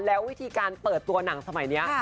แล้ววิธีการเปิดตัวหนังสมัยนี้